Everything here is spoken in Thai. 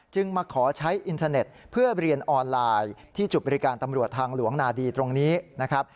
มาขอใช้อินเทอร์เน็ตเพื่อเรียนออนไลน์ที่จุดบริการตำรวจทางหลวงนาดีตรงนี้นะครับ